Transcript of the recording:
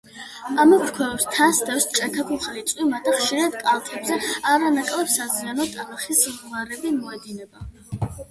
ამოფრქვევებს თან სდევს ჭექა-ქუხილი, წვიმა და ხშირად კალთებზე არანაკლებ საზიანო ტალახის ღვარები მოედინება.